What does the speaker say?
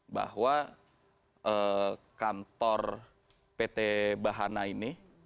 bahwa kantor pt bahana ini